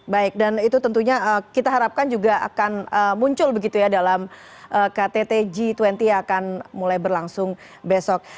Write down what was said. baik dan itu tentunya kita harapkan juga akan muncul begitu ya dalam ktt g dua puluh yang akan mulai berlangsung besok